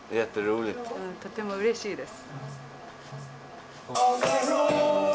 とてもうれしいです。